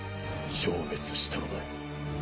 消滅したのだよ。